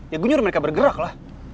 ya gue nyuruh mereka bergerak lah